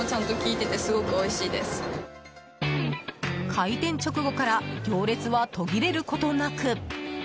開店直後から行列は途切れることなく。